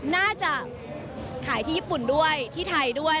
น่าจะขายที่ญี่ปุ่นด้วยที่ไทยด้วย